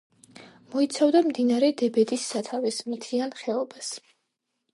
მოიცავდა მდინარე დებედის სათავის მთიან ხეობას.